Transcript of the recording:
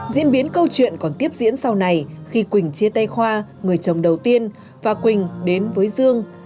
diễn biến câu chuyện còn tiếp diễn sau này khi quỳnh chia tay khoa người chồng đầu tiên và quỳnh đến với dương